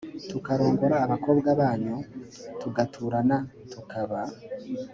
tukarongora abakobwa banyu tugaturana tukaba